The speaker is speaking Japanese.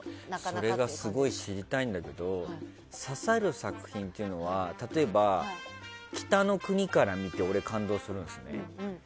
それがすごい知りたいんだけど刺さる作品というのは例えば「北の国から」を見て俺、感動するんですよね。